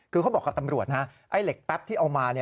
คือเขาบอกกับตำรวจนะไอ้เหล็กแป๊บที่เอามา